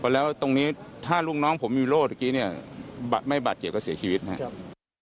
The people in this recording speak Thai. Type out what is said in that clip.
แล้วตรงนี้ถ้าลูกน้องผมมีโล่เมื่อกี้เนี่ยไม่บาดเจ็บก็เสียชีวิตนะครับ